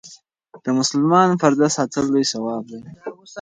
د مسلمان پرده ساتل لوی ثواب لري.